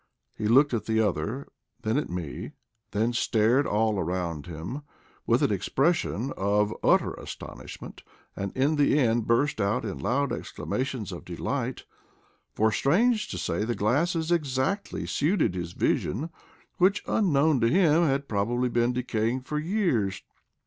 He looked at the other, then at me, then stared all round him, with an expression of utter astonishment, and in the end burst out in loud exclamations of delight. For, strange to say, the glasses exactly suited his vision, which, unknown to him, had probably been decaying for years.